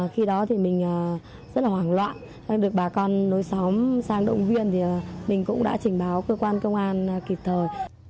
khi đó thì mình rất là hoảng loạn đang được bà con nối xóm sang động viên thì mình cũng đã trình báo cơ quan công an kịp thời